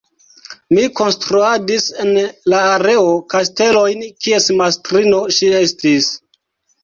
Mi konstruadis en la aero kastelojn, kies mastrino ŝi estis.